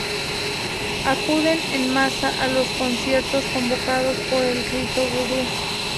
acuden en masa a los conciertos convocados por el rito vudú